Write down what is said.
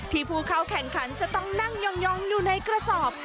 ผู้เข้าแข่งขันจะต้องนั่งยองอยู่ในกระสอบ